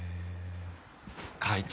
会長。